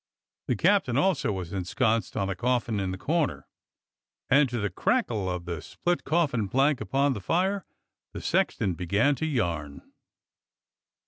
The captain also was ensconced on a coffin in the corner, and to the crackle of the split coffin plank upon the fire the sexton began to yarn.